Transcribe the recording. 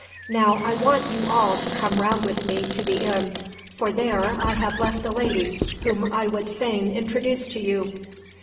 "Now I want you all to come round with me to the inn, for there I have left a lady whom I would fain introduce to you."